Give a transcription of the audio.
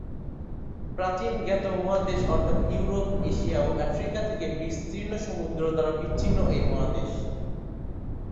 প্রাচীন জ্ঞাত মহাদেশ অর্থাৎ ইউরোপ, এশিয়া ও আফ্রিকা থেকে বিস্তীর্ণ সমুদ্র দ্বারা বিচ্ছিন্ন এই মহাদেশ।